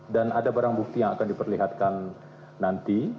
ada barang bukti yang akan diperlihatkan nanti